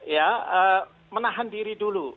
ya menahan diri dulu